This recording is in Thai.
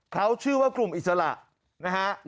เขาชื่อว่ากลุ่มอิสระนะฮะ